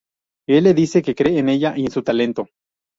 Él le dice que cree en ella y en su talento.